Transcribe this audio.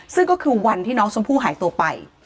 ซึ่งก็คือวันที่น้องชมพู่หายตัวไป